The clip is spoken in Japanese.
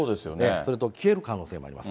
それと消える可能性もあります。